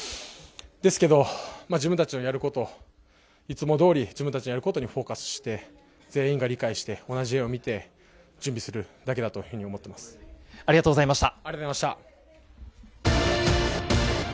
ですけど自分たちのやることいつもどおり自分たちのやることにフォーカスして全員が理解して同じ絵を見て準備するだけだというふうにありがとうございました。